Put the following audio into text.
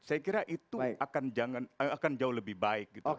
saya kira itu akan jauh lebih baik gitu